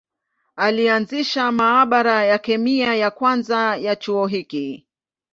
Alianzisha maabara ya kemia ya kwanza ya chuo hiki.